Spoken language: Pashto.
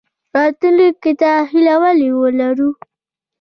راتلونکي ته هیله ولې ولرو؟